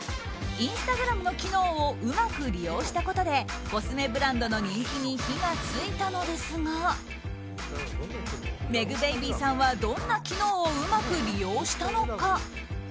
インスタグラムの機能をうまく利用したことでコスメブランドの人気に火が付いたのですｍｅｇｂａｂｙさんはどんな機能をうまく利用したのか。